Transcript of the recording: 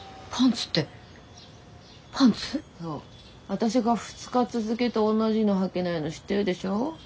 私が２日続けて同じのはけないの知ってるでしょ。